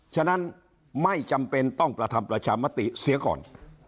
ฉะนั้นไม่จำเป็นต้องประทำประชามติเสียก่อน